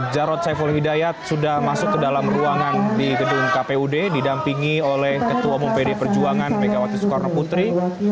jarod saiful hidayat sudah masuk ke dalam ruangan di gedung kpud didampingi oleh ketua umum pd perjuangan megawati soekarno putri